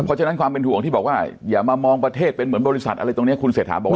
เพราะฉะนั้นความเป็นห่วงที่บอกว่าอย่ามามองประเทศเป็นเหมือนบริษัทอะไรตรงนี้คุณเศรษฐาบอกว่า